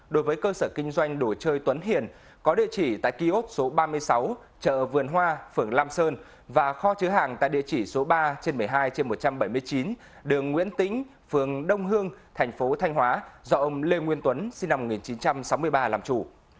đối với cơ sở kinh doanh đồ chơi tuấn hiền có địa chỉ tại kiosk số ba mươi sáu chợ vườn hoa phường lam sơn và kho chứa hàng tại địa chỉ số ba trên một mươi hai trên một trăm bảy mươi chín đường nguyễn tĩnh phường đông hương thành phố thanh hóa do ông lê nguyên tuấn sinh năm một nghìn chín trăm sáu mươi ba làm chủ